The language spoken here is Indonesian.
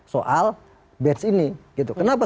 soal bench ini kenapa